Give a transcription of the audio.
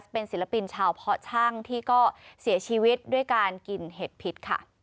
เป็นศิลปินชาวเพาะช่างที่ก็เสียชีวิตด้วยการกินเห็ดพิษค่ะ